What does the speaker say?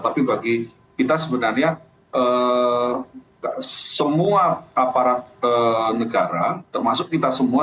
tapi bagi kita sebenarnya semua aparat negara termasuk kita semua